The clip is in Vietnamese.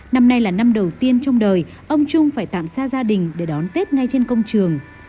năm nay là năm đầu tiên trong đời ông trung phải tạm xa gia đình để đón tết ngay trên công trường